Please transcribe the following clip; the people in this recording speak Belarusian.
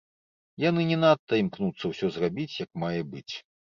Яны не надта імкнуцца ўсё зрабіць як мае быць.